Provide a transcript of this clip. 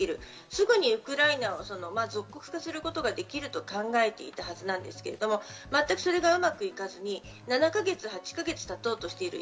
すぐにウクライナを属国化することができると考えていたはずですけれども、全くうまくいかずに７か月、８か月たとうとしている。